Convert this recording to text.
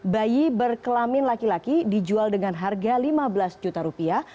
bayi berkelamin laki laki dijual dengan harga lima belas juta rupiah